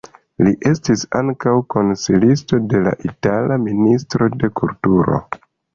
Li estis ankaŭ konsilisto de la itala ministro de kulturo.